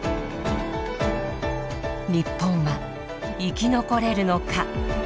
日本は生き残れるのか？